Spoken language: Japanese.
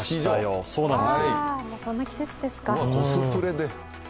もうコスプレで。